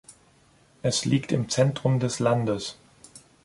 Es liegt im Zentrum des Landes.